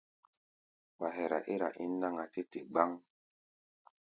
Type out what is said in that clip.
Wa hɛra ɛ́r-a ín náŋ-a tɛ́ te gbáŋ.